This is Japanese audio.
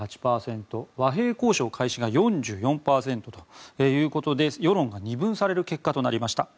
和平交渉開始が４４％ということで世論が二分される結果となりました。